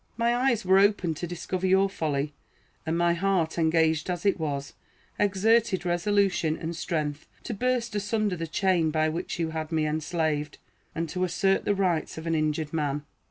My eyes were open to discover your folly; and my heart, engaged as it was, exerted resolution and strength to burst asunder the chain by which you held me enslaved, and to assert the rights of an injured man.